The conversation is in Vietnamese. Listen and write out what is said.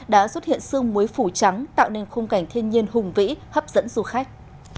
đã xuất hiện sương muối phủ trắng tạo nên khung cảnh thiên nhiên hùng vĩ hấp dẫn du khách